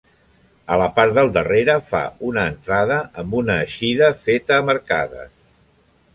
A la part del darrere fa una entrada amb una eixida feta amb arcades.